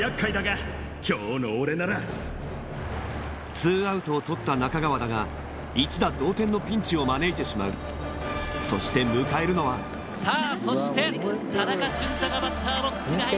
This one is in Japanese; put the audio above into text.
ツーアウトを取った中川だが一打同点のピンチを招いてしまうそして迎えるのはさぁそして田中俊太がバッターボックスに入ります。